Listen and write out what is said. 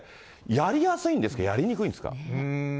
やりやすいんですか、やりにくいんですか。